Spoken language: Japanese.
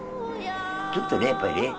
ちょっとねやっぱりね。